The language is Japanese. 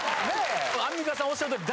アンミカさんおっしゃる通り。